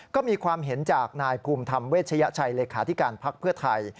ก็มีความเห็นจากนายภูมิธรรมเวชยชัยเลขาธิการภักดิ์เพื่อไทย